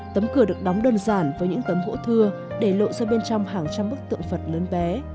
tấm cửa được đóng đơn giản với những tấm gỗ thưa để lộ ra bên trong hàng trăm bức tượng phật lớn bé